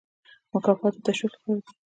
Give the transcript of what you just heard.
مکافات د تشویق لپاره دي